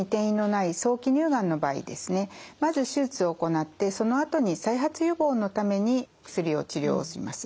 まず手術を行ってそのあとに再発予防のために薬で治療します。